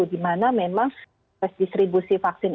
jadi di mana memang distribusi vaksin itu